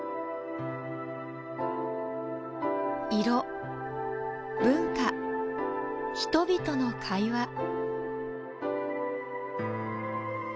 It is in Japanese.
色、文化、人々の会話。